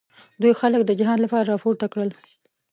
دوی خلک د جهاد لپاره راپورته کړل.